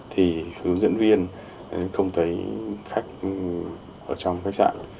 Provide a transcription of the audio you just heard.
thì hướng dẫn viên không thấy khách ở trong khách sạn